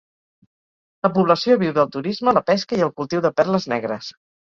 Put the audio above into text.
La població viu del turisme, la pesca i el cultiu de perles negres.